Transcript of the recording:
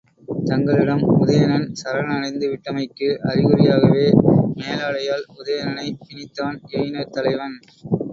தங்களிடம் உதயணன் சரணடைந்து விட்டமைக்கு அறிகுறியாகவே மேலாடையால் உதயணனைப் பிணித்தான் எயினர் தலைவன்.